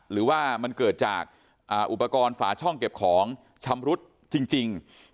หรือว่ามันเกิดจากอุปกรณ์ฝาช่องเก็บของชำรุดจริง